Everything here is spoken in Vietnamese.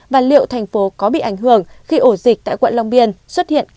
và liệu thành phố có bị ảnh hưởng khi ổ dịch tại quận long biên xuất hiện